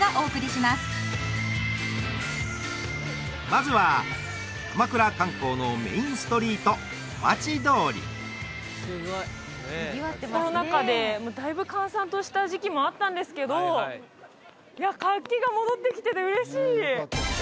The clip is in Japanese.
まずは鎌倉観光のメインストリート小町通りコロナ禍でだいぶ閑散とした時期もあったんですけどいや活気が戻ってきてて嬉しい！